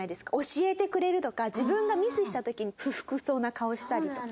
教えてくれるとか自分がミスした時に不服そうな顔したりとか。